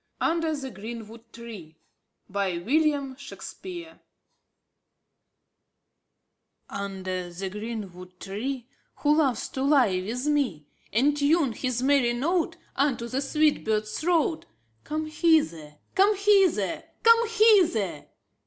Under the Greenwood Tree '4f William Shakespeare Under the greenwood tree, \ Who loves to lie with me, f^ And tune his merry note ^^^^.^^ Unto the sweet bird's throat, """" Come hither, come hither, come hither!